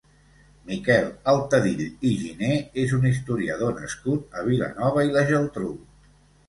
Miquel Altadill i Giner és un historiador nascut a Vilanova i la Geltrú.